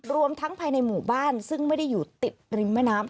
รวมทั้งภายในหมู่บ้านซึ่งไม่ได้อยู่ติดริมแม่น้ำ